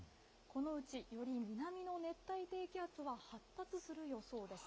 このうち、より南の熱帯低気圧は発達する予想です。